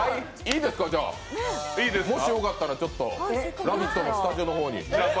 もしよかったら「ラヴィット！」のスタジオの方に。